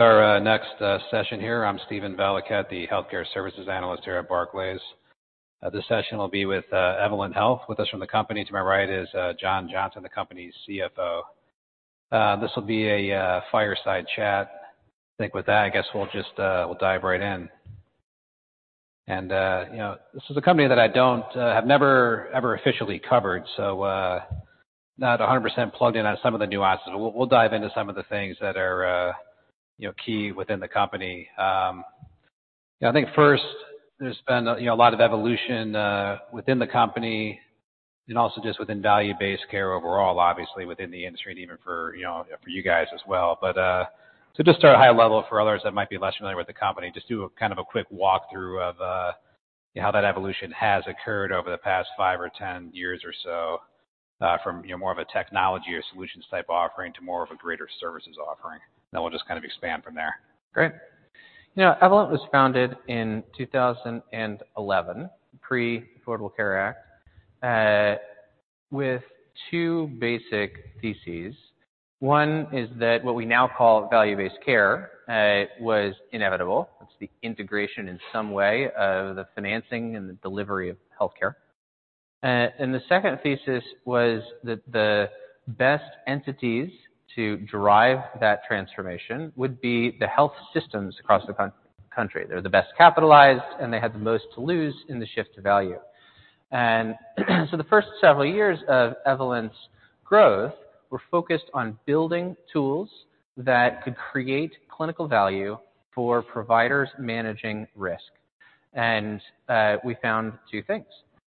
Our next session here, I'm Steven Valiquette, the healthcare services analyst here at Barclays. This session will be with Evolent Health. With us from the company to my right is John Johnson, the company's CFO. This will be a fireside chat. I think with that, I guess we'll just we'll dive right in. You know, this is a company that I have never ever officially covered, so not 100% plugged in on some of the nuances. We'll dive into some of the things that are, you know, key within the company. I think first there's been, you know, a lot of evolution within the company and also just within value-based care overall, obviously within the industry and even for, you know, for you guys as well. Just start at a high level for others that might be less familiar with the company, just do a kind of a quick walk-through of how that evolution has occurred over the past 5 or 10 years or so, from, you know, more of a technology or solutions type offering to more of a greater services offering. We'll just kind of expand from there. Great. You know, Evolent was founded in 2011, pre-Affordable Care Act, with two basic theses. One is that what we now call value-based care was inevitable. It's the integration in some way of the financing and the delivery of healthcare. The second thesis was that the best entities to drive that transformation would be the health systems across the country. They're the best capitalized, and they had the most to lose in the shift to value. The first several years of Evolent's growth were focused on building tools that could create clinical value for providers managing risk. We found two things.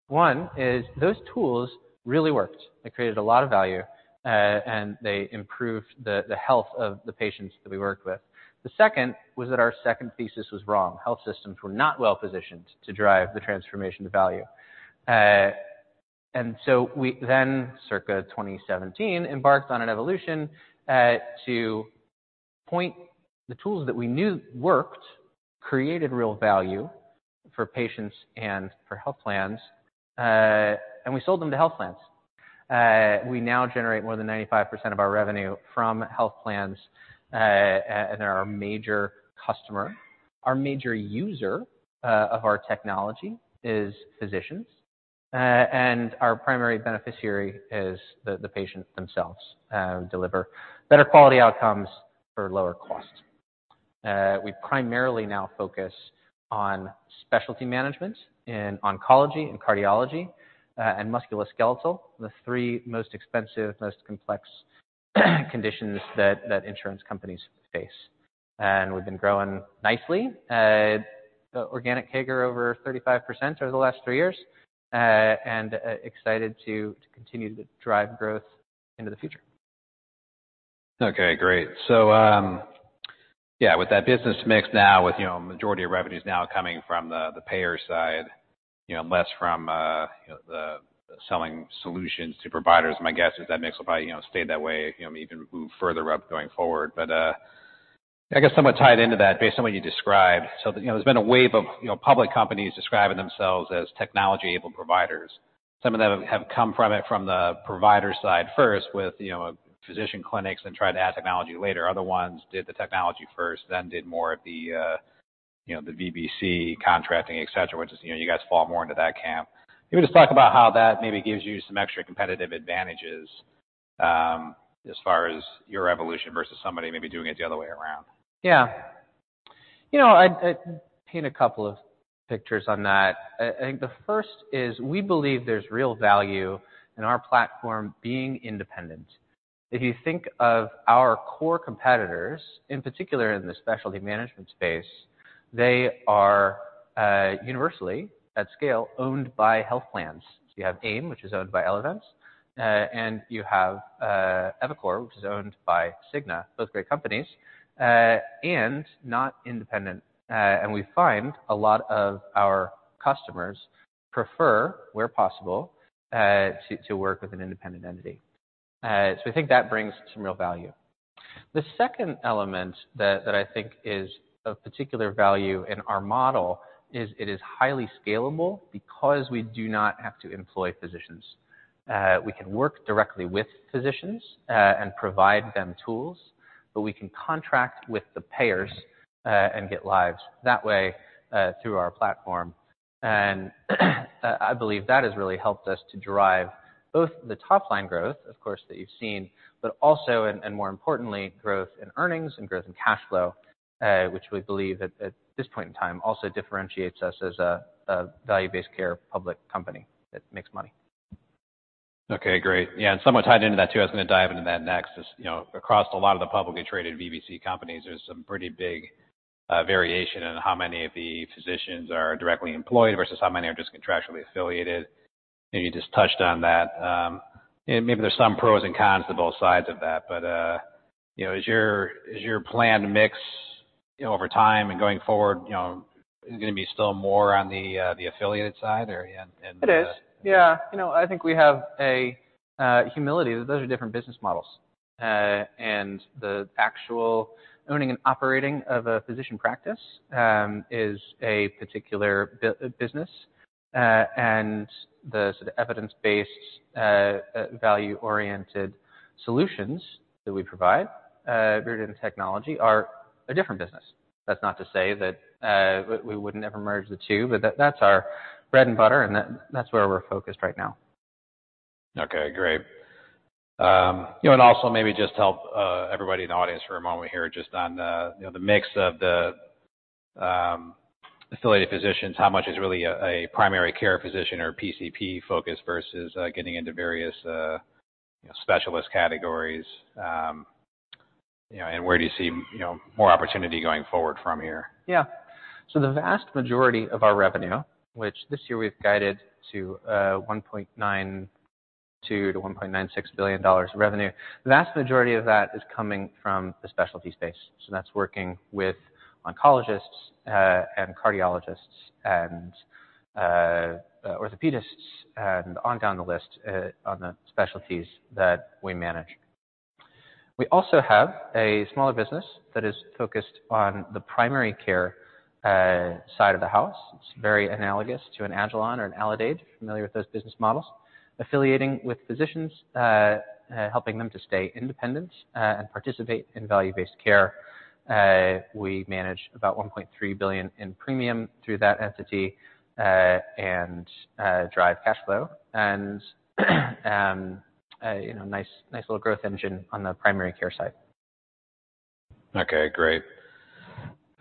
One is those tools really worked. They created a lot of value, and they improved the health of the patients that we worked with. The second was that our second thesis was wrong. Health systems were not well-positioned to drive the transformation to value. We then, circa 2017, embarked on an evolution to point the tools that we knew worked, created real value for patients and for health plans. We sold them to health plans. We now generate more than 95% of our revenue from health plans. They're our major customer. Our major user of our technology is physicians. Our primary beneficiary is the patient themselves, deliver better quality outcomes for lower cost. We primarily now focus on specialty management in oncology and cardiology, musculoskeletal, the three most expensive, most complex conditions that insurance companies face. We've been growing nicely. Organic CAGR over 35% over the last 3 years, and excited to continue to drive growth into the future. Okay, great. Yeah, with that business mix now with, you know, majority of revenues now coming from the payer side, you know, less from, you know, the selling solutions to providers, my guess is that mix will probably, you know, stay that way, you know, maybe even move further up going forward. I guess somewhat tied into that based on what you described. There's been a wave of, you know, public companies describing themselves as technology-able providers. Some of them have come from it from the provider side first with, you know, physician clinics and tried to add technology later. Other ones did the technology first, then did more of the, you know, the VBC contracting, et cetera, which is, you know, you guys fall more into that camp. Maybe just talk about how that maybe gives you some extra competitive advantages, as far as your evolution versus somebody maybe doing it the other way around. Yeah. You know, I'd paint a couple of pictures on that. I think the first is we believe there's real value in our platform being independent. If you think of our core competitors, in particular in the specialty management space, they are universally at scale owned by health plans. You have AIM, which is owned by Elevance, and you have eviCore, which is owned by Cigna, both great companies and not independent. We find a lot of our customers prefer, where possible, to work with an independent entity. I think that brings some real value. The second element that I think is of particular value in our model is it is highly scalable because we do not have to employ physicians. We can work directly with physicians and provide them tools, but we can contract with the payers and get lives that way through our platform. I believe that has really helped us to drive both the top line growth, of course, that you've seen, but also, and more importantly, growth in earnings and growth in cash flow, which we believe at this point in time also differentiates us as a value-based care public company that makes money. Okay, great. Yeah, somewhat tied into that too, I was gonna dive into that next is, you know, across a lot of the publicly traded VBC companies, there's some pretty big variation in how many of the physicians are directly employed versus how many are just contractually affiliated. Maybe you just touched on that. Maybe there's some pros and cons to both sides of that. Is your, is your plan to mix, you know, over time and going forward, you know, gonna be still more on the affiliate side or? It is. Yeah, you know, I think we have a humility that those are different business models. The actual owning and operating of a physician practice is a particular business. The sort of evidence-based, value-oriented solutions that we provide, rooted in technology are a different business. That's not to say that we would never merge the two, but that's our bread and butter and that's where we're focused right now. Okay, great. you know, and also maybe just help everybody in the audience for a moment here just on you know, the mix of the affiliated physicians, how much is really a primary care physician or PCP focus versus getting into various you know, specialist categories. Where do you see you know, more opportunity going forward from here? Yeah. The vast majority of our revenue, which this year we've guided to $1.92 billion-$1.96 billion revenue. The vast majority of that is coming from the specialty space. That's working with oncologists and cardiologists and orthopedists and on down the list on the specialties that we manage. We also have a smaller business that is focused on the primary care side of the house. It's very analogous to an Agilon or an Aledade, familiar with those business models, affiliating with physicians, helping them to stay independent and participate in value-based care. We manage about $1.3 billion in premium through that entity and drive cash flow and, you know, nice little growth engine on the primary care side. Okay, great.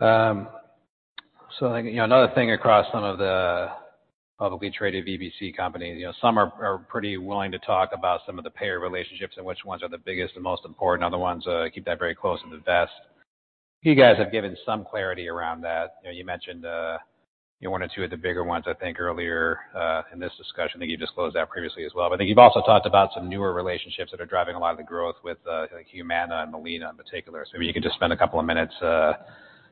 You know, another thing across some of the publicly traded VBC companies, you know, some are pretty willing to talk about some of the payer relationships and which ones are the biggest and most important. Other ones keep that very close to the vest. You guys have given some clarity around that. You know, you mentioned, you know, one or two of the bigger ones, I think earlier in this discussion. I think you disclosed that previously as well. I think you've also talked about some newer relationships that are driving a lot of the growth with like Humana and Molina in particular. Maybe you could just spend a couple of minutes,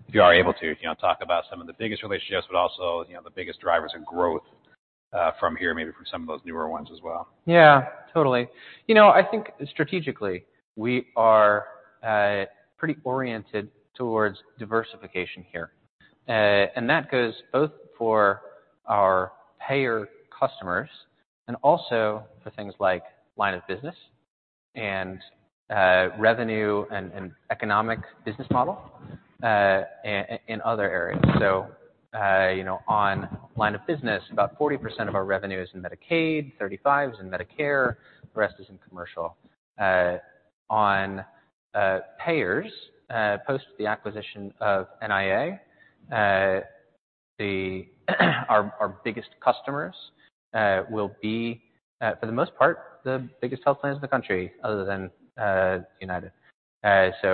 if you are able to, you know, talk about some of the biggest relationships, but also, you know, the biggest drivers of growth from here, maybe from some of those newer ones as well. Yeah, totally. You know, I think strategically, we are pretty oriented towards diversification here. That goes both for our payer customers and also for things like line of business and revenue and economic business model and other areas. You know, on line of business, about 40% of our revenue is in Medicaid, 35 is in Medicare, the rest is in commercial. On payers, post the acquisition of NIA, our biggest customers will be for the most part, the biggest health plans in the country other than United.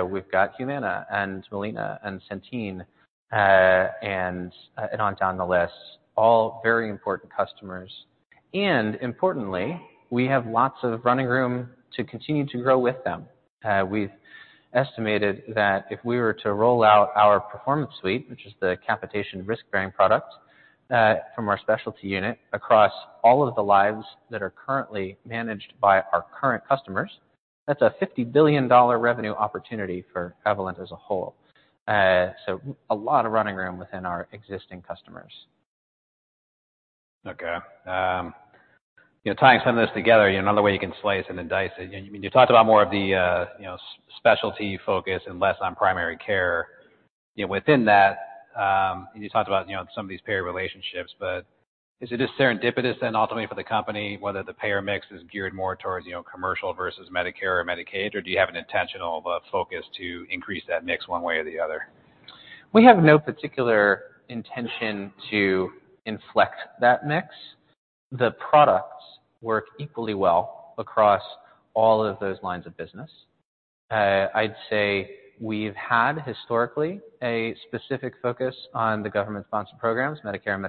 We've got Humana and Molina and Centene, and on down the list, all very important customers. Importantly, we have lots of running room to continue to grow with them. We've estimated that if we were to roll out our Performance Suite, which is the capitation risk-bearing product, from our specialty unit across all of the lives that are currently managed by our current customers, that's a $50 billion revenue opportunity for Evolent as a whole. A lot of running room within our existing customers. Okay. You know, tying some of this together, you know, another way you can slice and then dice it. You know, you talked about more of the, you know, specialty focus and less on primary care. You know, within that, you talked about, you know, some of these payer relationships. Is it just serendipitous then ultimately for the company, whether the payer mix is geared more towards, you know, commercial versus Medicare or Medicaid, or do you have an intentional focus to increase that mix one way or the other? We have no particular intention to inflect that mix. The products work equally well across all of those lines of business. I'd say we've had historically a specific focus on the government-sponsored programs, Medicare and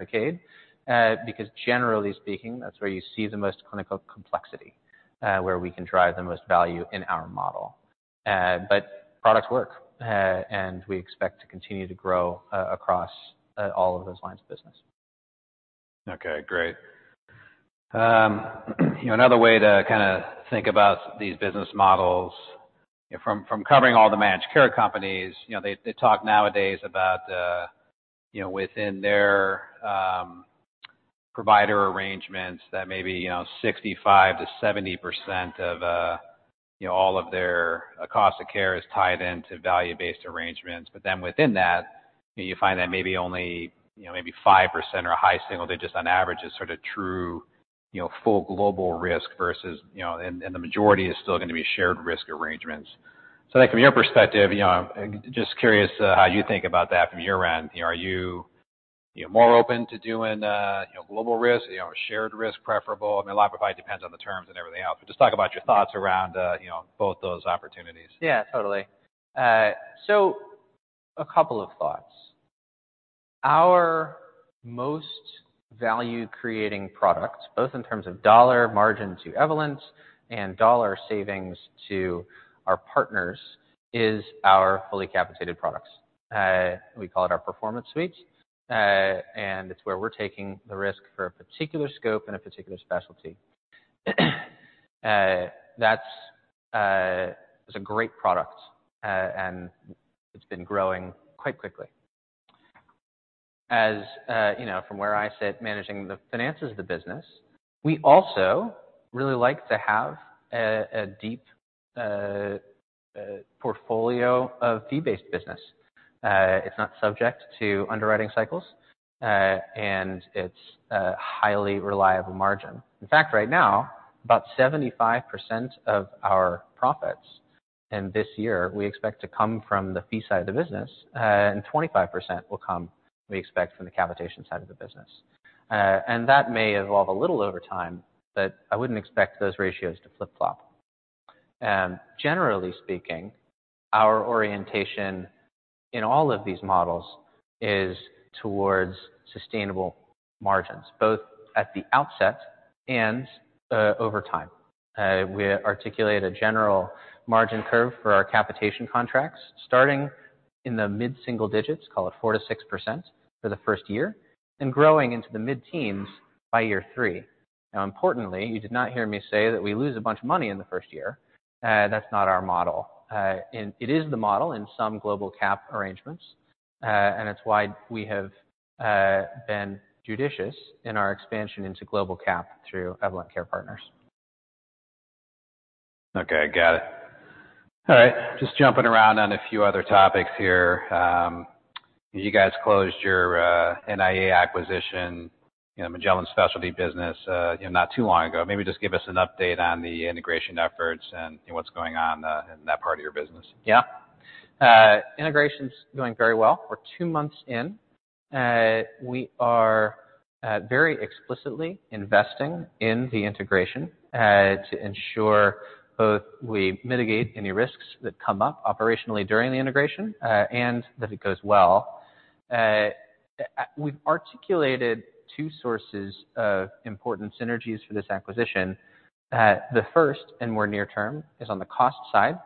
Medicaid, because generally speaking, that's where you see the most clinical complexity, where we can drive the most value in our model. Products work, and we expect to continue to grow across all of those lines of business. Okay, great. you know, another way to kinda think about these business models, you know, from covering all the managed care companies, you know, they talk nowadays about, you know, within their provider arrangements that maybe, you know, 65%-70% of, you know, all of their cost of care is tied into value-based arrangements. Within that, you know, you find that maybe only, you know, maybe 5% or a high single digit just on average is sort of true, you know, full global risk versus, you know, and the majority is still gonna be shared risk arrangements. Like, from your perspective, you know, just curious, how you think about that from your end. You know, are you know, more open to doing, you know, global risk? You know, shared risk preferable? I mean, a lot probably depends on the terms and everything else, but just talk about your thoughts around, you know, both those opportunities. Yeah, totally. A couple of thoughts. Our most value-creating product, both in terms of dollar margin to Evolent and dollar savings to our partners, is our fully capitated products. We call it our Performance Suite, it's where we're taking the risk for a particular scope and a particular specialty. That's, it's a great product. It's been growing quite quickly. As, you know, from where I sit managing the finances of the business, we also really like to have a deep portfolio of fee-based business. It's not subject to underwriting cycles, it's a highly reliable margin. In fact, right now, about 75% of our profits in this year, we expect to come from the fee side of the business, 25% will come, we expect, from the capitation side of the business. That may evolve a little over time, but I wouldn't expect those ratios to flip-flop. Generally speaking, our orientation in all of these models is towards sustainable margins, both at the outset and over time. We articulate a general margin curve for our capitation contracts starting in the mid-single digits, call it 4%-6% for the first year, and growing into the mid-teens by year 3. Importantly, you did not hear me say that we lose a bunch of money in the first year. That's not our model. It is the model in some global capitation arrangements, and it's why we have been judicious in our expansion into global capitation through Evolent Care Partners. Okay, got it. All right, just jumping around on a few other topics here. You guys closed your NIA acquisition, you know, Magellan specialty business, you know, not too long ago. Maybe just give us an update on the integration efforts and, you know, what's going on in that part of your business. Yeah. Integration's going very well. We're 2 months in. We are very explicitly investing in the integration to ensure both we mitigate any risks that come up operationally during the integration and that it goes well. We've articulated two sources of important synergies for this acquisition. The first, and more near term, is on the cost side.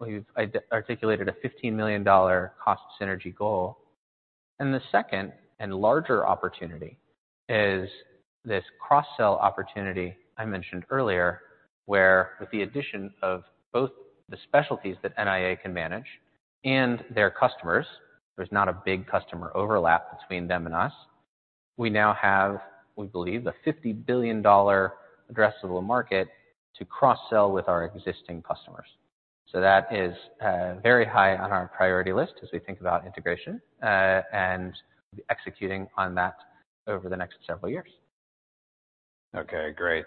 We've articulated a $15 million cost synergy goal. The second and larger opportunity is this cross-sell opportunity I mentioned earlier, where with the addition of both the specialties that NIA can manage and their customers, there's not a big customer overlap between them and us. We now have, we believe, a $50 billion addressable market to cross-sell with our existing customers. That is, very high on our priority list as we think about integration, and executing on that over the next several years. Okay, great.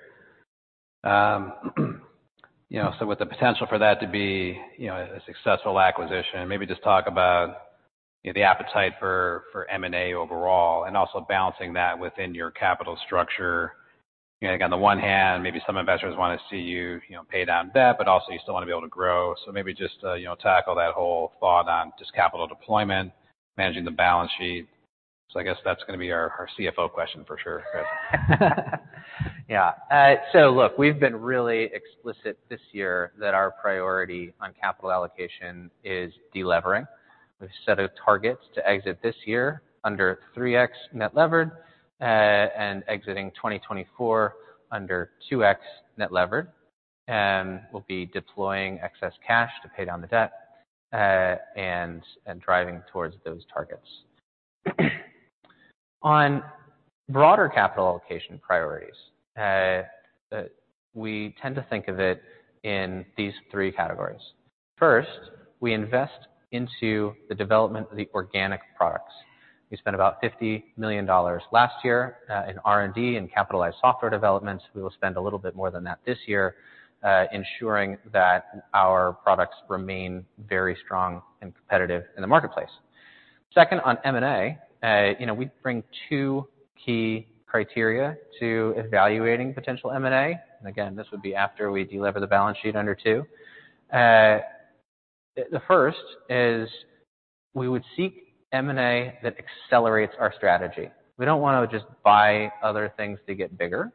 You know, so with the potential for that to be, you know, a successful acquisition, maybe just talk about, you know, the appetite for M&A overall and also balancing that within your capital structure. You know, again, on the one hand, maybe some investors wanna see you know, pay down debt, but also you still wanna be able to grow. Maybe just, you know, tackle that whole thought on just capital deployment, managing the balance sheet. I guess that's gonna be our CFO question for sure. We've been really explicit this year that our priority on capital allocation is delevering. We've set a target to exit this year under 3x net leverage, and exiting 2024 under 2x net leverage. We'll be deploying excess cash to pay down the debt, and driving towards those targets. On broader capital allocation priorities, we tend to think of it in these three categories. First, we invest into the development of the organic products. We spent about $50 million last year in R&D and capitalized software developments. We will spend a little bit more than that this year, ensuring that our products remain very strong and competitive in the marketplace. Second, on M&A, you know, we bring two key criteria to evaluating potential M&A. Again, this would be after we deliver the balance sheet under 2. The first is we would seek M&A that accelerates our strategy. We don't wanna just buy other things to get bigger.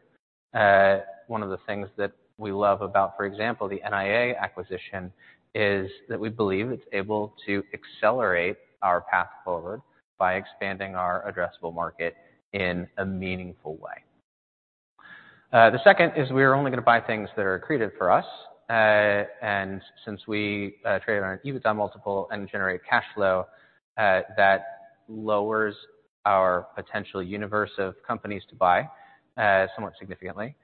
One of the things that we love about, for example, the NIA acquisition is that we believe it's able to accelerate our path forward by expanding our addressable market in a meaningful way. The second is we are only gonna buy things that are accretive for us. Since we trade on an EBITDA multiple and generate cash flow, that lowers our potential universe of companies to buy somewhat significantly.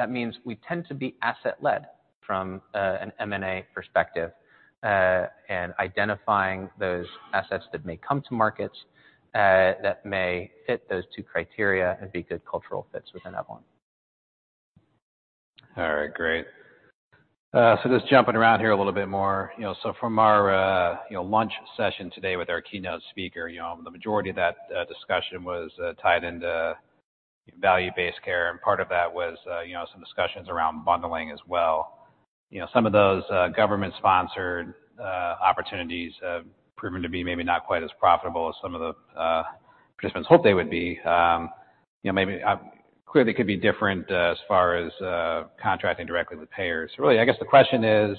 That means we tend to be asset-led from an M&A perspective and identifying those assets that may come to markets that may fit those two criteria and be good cultural fits within Evolent. All right, great. Just jumping around here a little bit more, you know, so from our, you know, lunch session today with our keynote speaker, you know, the majority of that discussion was tied into value-based care, and part of that was, you know, some discussions around bundling as well. You know, some of those government-sponsored opportunities have proven to be maybe not quite as profitable as some of the participants hoped they would be. You know, maybe, clearly could be different, as far as contracting directly with payers. I guess the question is,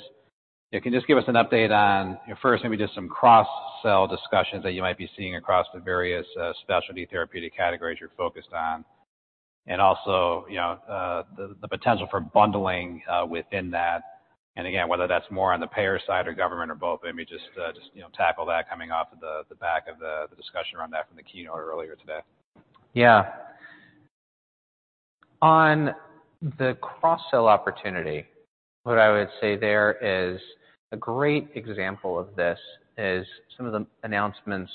if you can just give us an update on, first maybe just some cross-sell discussions that you might be seeing across the various, specialty therapeutic categories you're focused on and also, you know, the potential for bundling within that, and again, whether that's more on the payer side or government or both. Maybe just, you know, tackle that coming off of the back of the discussion around that from the keynote earlier today. On the cross-sell opportunity, what I would say there is a great example of this is some of the announcements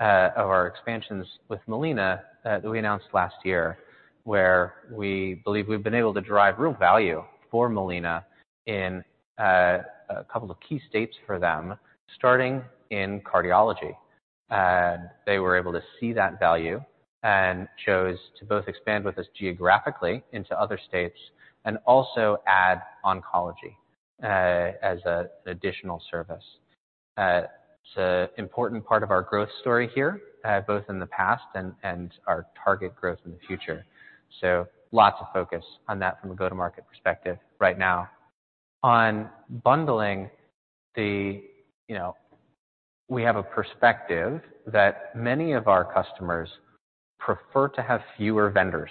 of our expansions with Molina that we announced last year, where we believe we've been able to drive real value for Molina in a couple of key states for them, starting in cardiology. They were able to see that value and chose to both expand with us geographically into other states and also add oncology as an additional service. It's a important part of our growth story here, both in the past and our target growth in the future. Lots of focus on that from a go-to-market perspective right now. Bundling the, you know, we have a perspective that many of our customers prefer to have fewer vendors.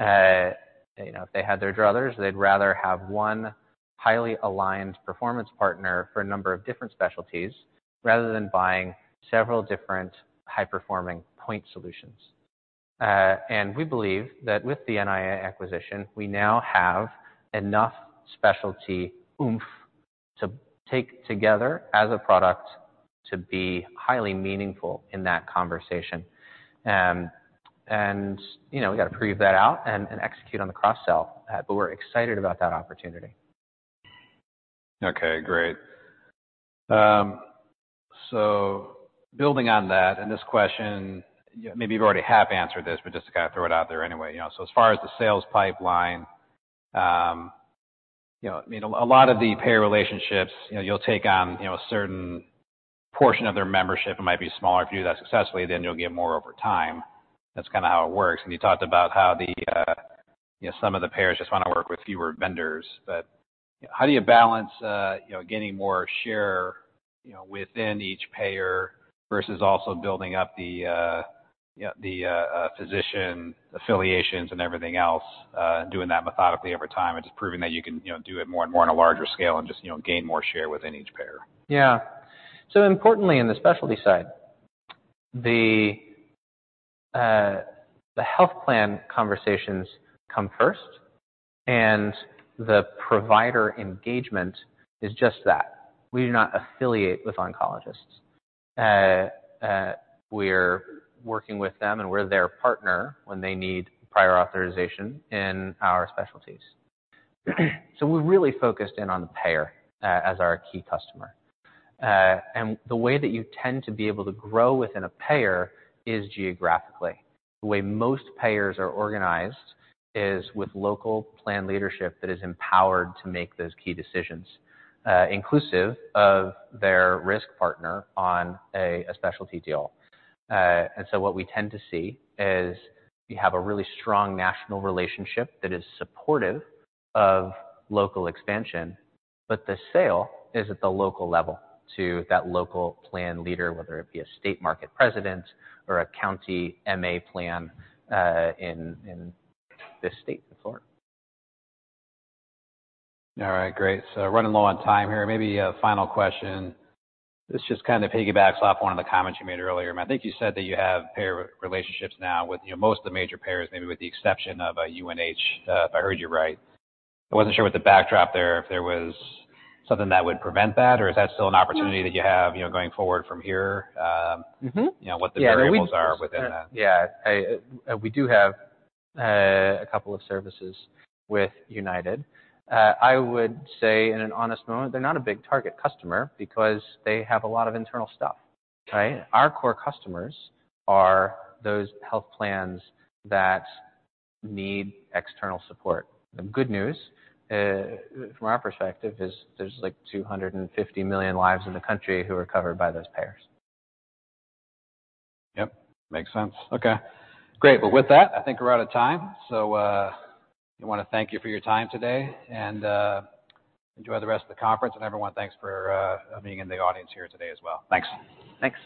you know, if they had their druthers, they'd rather have one highly aligned performance partner for a number of different specialties rather than buying several different high-performing point solutions. We believe that with the NIA acquisition, we now have enough specialty oomph to take together as a product to be highly meaningful in that conversation. you know, we got to prove that out and execute on the cross-sell, we're excited about that opportunity. Okay, great. Building on that, and this question, you know, maybe you already have answered this, but just gotta throw it out there anyway. You know, as far as the sales pipeline, you know, I mean, a lot of the payer relationships, you know, you'll take on, you know, a certain portion of their membership. It might be smaller. If you do that successfully, then you'll get more over time. That's kinda how it works. You talked about how the, you know, some of the payers just wanna work with fewer vendors, but how do you balance, you know, getting more share, you know, within each payer versus also building up the, you know, the, physician affiliations and everything else, doing that methodically over time and just proving that you can, you know, do it more and more on a larger scale and just, you know, gain more share within each payer? Yeah. Importantly, in the specialty side, the health plan conversations come first and the provider engagement is just that. We do not affiliate with oncologists. We're working with them and we're their partner when they need prior authorization in our specialties. We're really focused in on the payer as our key customer. The way that you tend to be able to grow within a payer is geographically. The way most payers are organized is with local plan leadership that is empowered to make those key decisions inclusive of their risk partner on a specialty deal. What we tend to see is you have a really strong national relationship that is supportive of local expansion, but the sale is at the local level to that local plan leader, whether it be a state market president or a county MA plan, in this state, in Florida. All right, great. Running low on time here. Maybe a final question. This just kind of piggybacks off one of the comments you made earlier. I think you said that you have payer relationships now with, you know, most of the major payers, maybe with the exception of UNH, if I heard you right. I wasn't sure with the backdrop there, if there was something that would prevent that or is that still an opportunity that you have, you know, going forward from here?... you know, what the variables are within that. Yeah. We do have a couple of services with United. I would say in an honest moment, they're not a big target customer because they have a lot of internal stuff, right? Our core customers are those health plans that need external support. The good news, from our perspective is there's like 250 million lives in the country who are covered by those payers. Yep. Makes sense. Okay. Great. Well, with that, I think we're out of time. I wanna thank you for your time today and enjoy the rest of the conference. Everyone, thanks for being in the audience here today as well. Thanks. Thanks.